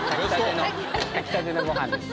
炊きたてのご飯です